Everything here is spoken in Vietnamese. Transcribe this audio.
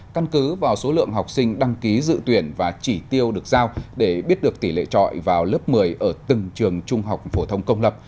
căn cứ vào số lượng học sinh đăng ký dự tuyển và chỉ tiêu được giao để biết được tỷ lệ trọi vào lớp một mươi ở từng trường trung học phổ thông công lập